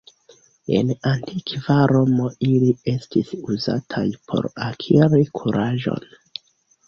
En Antikva Romo ili estis uzataj por akiri kuraĝon.